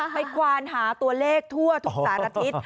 ไปกวานหาตัวเลขทั่วทุกสันอาทิตย์